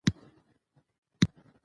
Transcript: اوږده غرونه د افغانستان د طبیعت برخه ده.